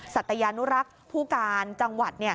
สัตยานุรักษ์ผู้การจังหวัด